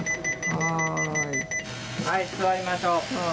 はい座りましょう。